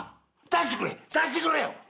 出してくれよ。出してくれ。